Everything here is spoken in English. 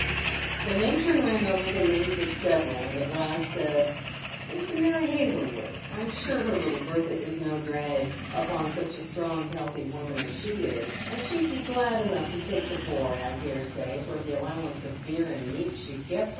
The matron ran over the names of several, and at last said :" There'jB Mary Hazlewood ! I'm sure her little Bertha is no drag upon such a strong, healthy woman as she is; and she'd be glad enough to take the boy, I dare say, for the allowance of beer and meat she'd get by it."